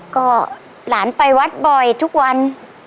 ก็หลานไปวัดบ่อยทุกวัน